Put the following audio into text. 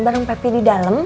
bareng pepe di dalam